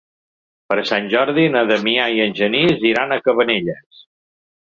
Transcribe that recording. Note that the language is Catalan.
Per Sant Jordi na Damià i en Genís iran a Cabanelles.